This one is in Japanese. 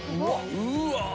うわ！